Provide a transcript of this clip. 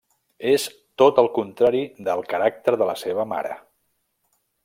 És tot el contrari del caràcter de la seva mare.